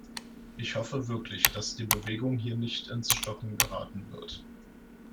Ich hoffe wirklich, dass die Bewegung hier nicht ins Stocken geraten wird.